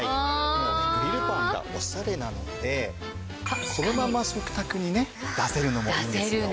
もうねグリルパンがオシャレなのでこのまま食卓にね出せるのもいいんですよ。出せるね。